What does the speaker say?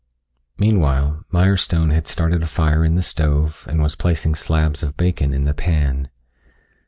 Meanwhile, Mirestone had started a fire in the stove and was placing slabs of bacon in the pan.